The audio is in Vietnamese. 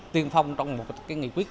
tuyên phong trong một nghị quyết